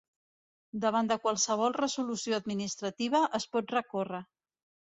Davant de qualsevol resolució administrativa, es pot recórrer.